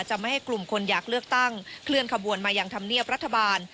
ไม่ให้กลุ่มคนอยากเลือกตั้งเคลื่อนขบวนมาอย่างธรรมเนียบรัฐบาล